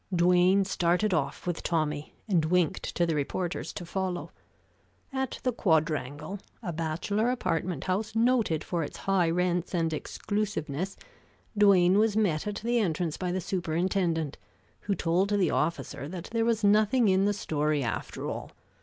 Duane started off with Tommy, and winked to the reporters to follow. At the Quadrangle, a bachelor apartment house noted for its high rents and exclusiveness, Duane was met at the entrance by the superintendent, who told the officer that there was nothing in the story, after all.